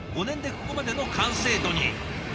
５年でここまでの完成度に。